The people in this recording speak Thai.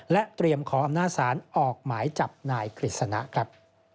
และเตรียมขออำนาจศาลออกหมายจับนายกฤษณะครับ